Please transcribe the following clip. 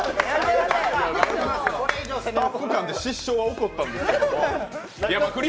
スタッフ間で失笑が起こったんですけれども。